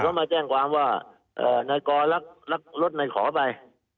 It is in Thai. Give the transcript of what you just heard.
เขามาแจ้งความว่านายกรรักรถนายขอไป